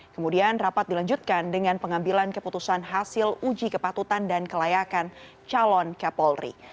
kemudian rapat dilanjutkan dengan pengambilan keputusan hasil uji kepatutan dan kelayakan calon kapolri